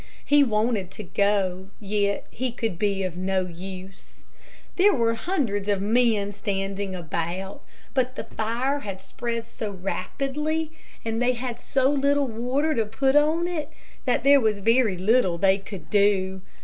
He wanted to go, yet he could be of no use. There were hundreds of men standing about, but the fire had spread so rapidly, and they had so little water to put on it, that there was very little they could do.